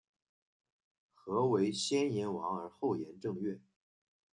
曷为先言王而后言正月？